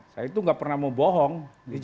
saya itu nggak pernah mau bohong